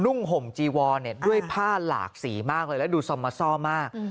นุ่งห่มจีวอด์เนี่ยด้วยผ้าหลากสีมากเลยและดูซ่อมมาซ่อมมาก